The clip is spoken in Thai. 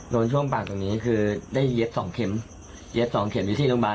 ช่วงปากตรงนี้คือได้เย็บสองเข็มเย็บสองเข็มอยู่ที่โรงพยาบาล